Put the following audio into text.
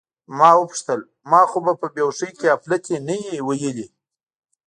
ما وپوښتل: زه خو به په بې هوښۍ کې اپلتې نه وم ویلي؟